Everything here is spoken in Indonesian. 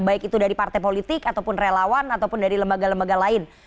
baik itu dari partai politik ataupun relawan ataupun dari lembaga lembaga lain